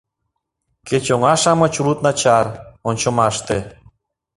«Кеч оҥа-шамыч улыт начар, ончымаште